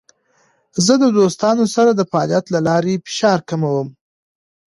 زه د دوستانو سره د فعالیت له لارې فشار کموم.